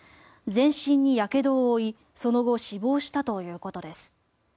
全身にやけどを負いその後死亡したということです。